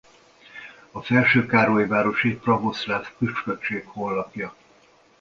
A Felső-Károlyvárosi pravoszláv püspökség honlapja